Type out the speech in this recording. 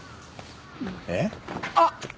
えっ？あっ！